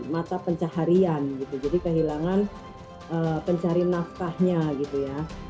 mata pencaharian gitu jadi kehilangan pencari nafkahnya gitu ya